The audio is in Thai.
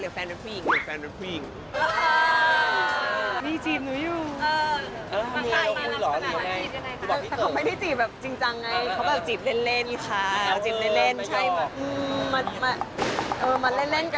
หรือแฟนเป็นผู้หญิง